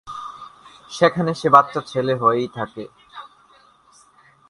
সেখানে সে বাচ্চা ছেলে হয়েই থাকে।